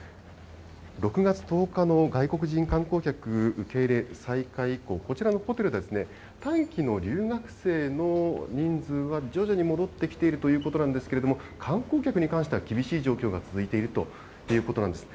６月１０日の外国人観光客受け入れ再開以降、こちらのホテル、短期の留学生の人数は徐々に戻ってきているということなんですけれども、観光客に関しては厳しい状況が続いているということなんです。